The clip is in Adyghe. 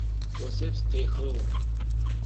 Осэпс къехыгъ.